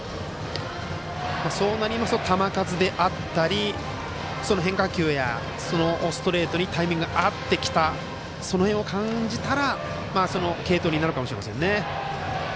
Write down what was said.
そうなりますと球数であったり変化球や、ストレートにタイミングが合ってきたその辺を感じたら継投に入るかもしれないですね。